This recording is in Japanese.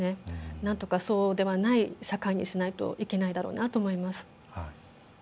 なんとか、そうではない社会にしないといけないだろうなと思います。